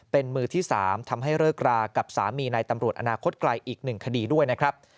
เป็นมือที่๓ทำให้เลิกรากับสามีในตำรวจอนาคตไกลอีก๑คดีด้วยนะครับ